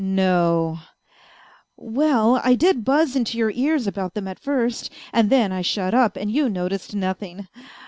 " No ?"" Well, I did buzz into your ears about them at first, and then I shut up, and you noticed nothing.